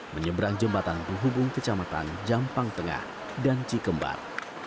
menyeberang jembatan penghubung kecamatan jampang tengah dan cikembar